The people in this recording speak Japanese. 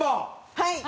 はい！